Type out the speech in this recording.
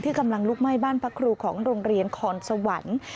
กำลังลุกไหม้บ้านพักครูของโรงเรียนคอนสวรรค์